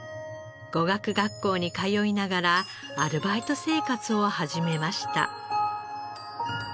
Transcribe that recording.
語学学校に通いながらアルバイト生活を始めました。